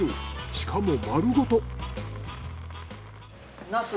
しかも丸ごと。